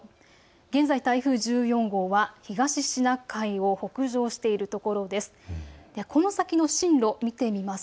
現在、台風１４号は東シナ海を北上しているところです。